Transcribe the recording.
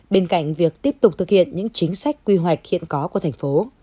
bên cạnh việc tiếp tục thực hiện những chính sách quy hoạch hiện có của thành phố